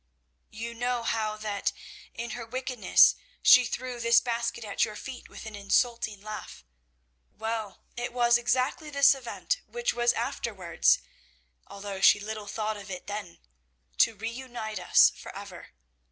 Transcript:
"You know how that, in her wickedness, she threw this basket at your feet with an insulting laugh. Well, it was exactly this event which was afterwards, although she little thought it then, to reunite us for ever.